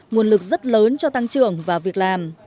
nguồn lực rất lớn cho tăng trưởng và việc làm